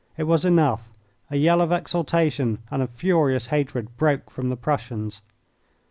It was enough. A yell of exultation and of furious hatred broke from the Prussians.